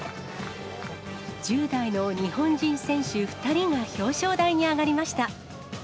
１０代の日本人選手２人が表彰台に上がりました。